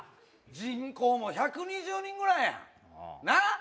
人口も１２０人ぐらいやんなっ